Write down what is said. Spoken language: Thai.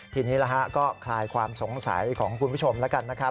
ทีนี้ก็คลายความสงสัยของคุณผู้ชมแล้วกันนะครับ